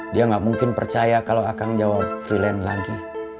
dia gak mungkin percaya kalau akang jawab freelance lagi